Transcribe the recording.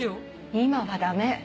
今はダメ。